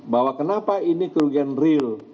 bahwa kenapa ini kerugian real